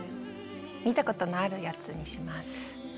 見たことのあるやつにします。